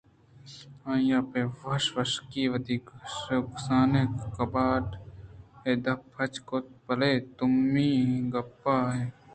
آئیءَ پہ وش وشکی وتی کش ءِ کسانیں کباٹ ءِ دپ پچ کُت بلئے دومی کباٹ اَت